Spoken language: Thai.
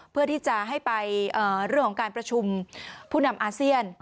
เพื่อที่จะให้ไปเรื่องของการประชุมผู้นำอาเซียน